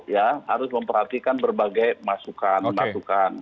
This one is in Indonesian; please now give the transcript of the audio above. ya harus memperhatikan berbagai masukan masukan